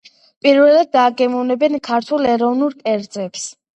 პირველად დააგემოვნებენ ქართულ ეროვნულ კერძებს.